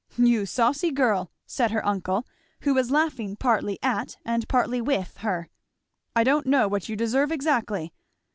"You saucy girl!" said her uncle, who was laughing partly at and partly with her, "I don't know what you deserve exactly.